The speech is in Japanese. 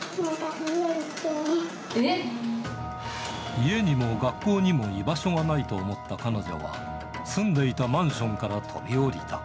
家にも学校にも居場所がないと思った彼女は、住んでいたマンションから飛び降りた。